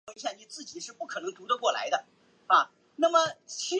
球队的主体育场为。